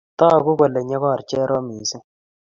Tagu kole nyokor Cherop missing'